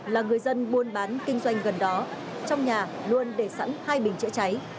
là người dân buôn bán kinh doanh gần đó trong nhà luôn để sẵn hai bình chữa cháy